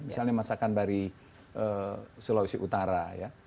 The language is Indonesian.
misalnya masakan dari sulawesi utara ya